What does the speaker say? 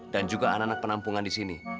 dan juga anak anak penampungan disini